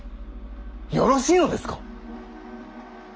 よろしいのですか？